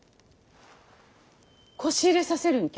こし入れさせるんきゃ？